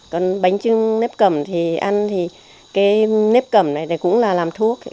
còn bánh trưng nếp cẩm thì ăn thì cái nếp cẩm này cũng là làm thuốc